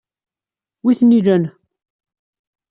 Wi ten-ilan?